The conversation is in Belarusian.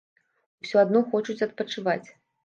Усё адно хочуць адпачываць.